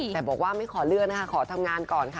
แต่บอกว่าไม่ขอเลื่อนนะคะขอทำงานก่อนค่ะ